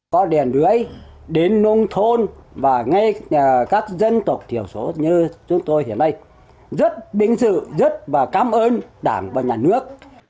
có điện lưới đến nông thôn và ngay các dân tộc thiểu số như chúng tôi hiện nay rất đính sự rất cảm ơn đảng và nhà nước